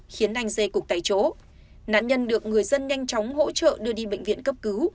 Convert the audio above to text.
khiến anh dê cục tại chỗ nạn nhân được người dân nhanh chóng hỗ trợ đưa đi bệnh viện cấp cứu